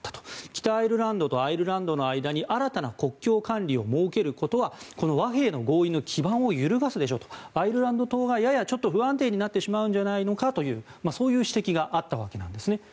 北アイルランドとアイルランドの間に新たな国境管理を設けることはこの和平の合意の基盤を揺るがすでしょうとアイルランド島がやや不安定になってしまうんじゃないのかというそういう指摘があったわけなんですね。